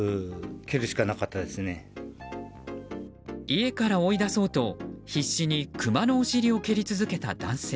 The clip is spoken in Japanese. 家から追い出そうと必死にクマのお尻を蹴り続けた男性。